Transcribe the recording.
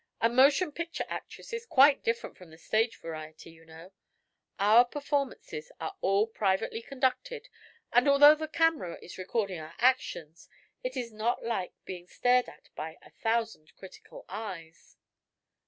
A motion picture actress is quite different from the stage variety, you know. Our performances are all privately conducted, and although the camera is recording our actions it is not like being stared at by a thousand critical eyes."